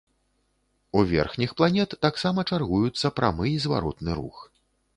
У верхніх планет таксама чаргуюцца прамы і зваротны рух.